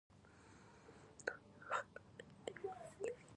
آیا خلک له دې وسایلو څخه د اړتیاوو لپاره ګټه اخلي؟